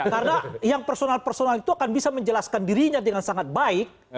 karena yang personal personal itu akan bisa menjelaskan dirinya dengan sangat baik